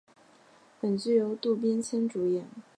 本剧由渡边谦主演。